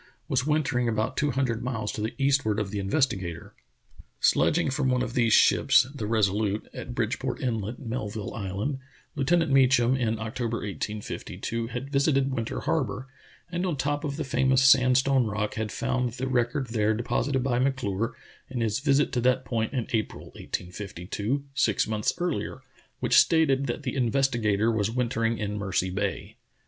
was wintering about two hun dred miles to the eastward of the Investigator. Sledg ing from one of these ships, the Resolute^ at Bridgeport Inlet, Melville Island, Lieutenant Mecham, in October, 1852, had visited Winter Harbor, and on top of the famous sandstone rock had found the record there deposited by M'Clure in his visit to that point in April, 1852, six months earher, which stated that the Investigator was wintering in Mercy Bay.